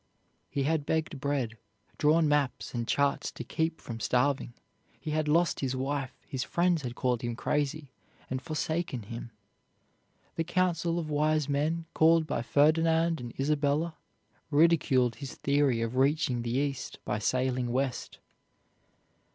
He had begged bread, drawn maps and charts to keep from starving; he had lost his wife; his friends had called him crazy, and forsaken him. The council of wise men called by Ferdinand and Isabella ridiculed his theory of reaching the east by sailing west.